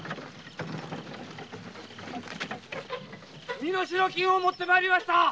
身代金を持って来ました。